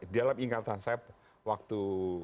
dalam ingatan saya waktu